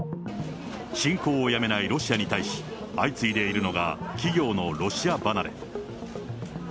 侵攻をやめないロシアに対し、相次いでいるのが企業のロシア離れ。